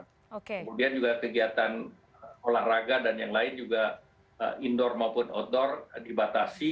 kemudian juga kegiatan olahraga dan yang lain juga indoor maupun outdoor dibatasi